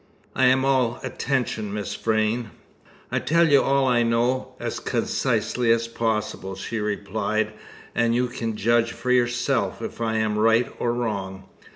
"I am all attention, Miss Vrain." "I'll tell you all I know, as concisely as possible," she replied, "and you can judge for yourself if I am right or wrong.